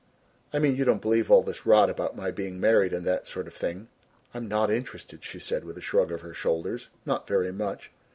"I mean you don't believe all this rot about my being married and that sort of thing?" "I'm not interested," she said, with a shrug of her shoulders, "not very much.